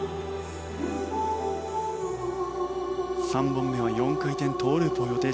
３本目は４回転トウループを予定。